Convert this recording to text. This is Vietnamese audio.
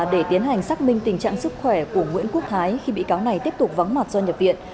để tiến hành xác minh tình trạng sức khỏe của nguyễn quốc thái khi bị cáo này tiếp tục vắng mặt do nhập viện